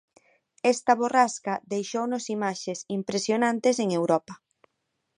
Esta borrasca deixounos imaxes impresionantes en Europa.